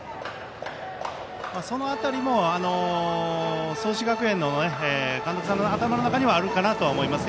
その辺りも創志学園の監督さんの頭の中にはあるのかなと思います。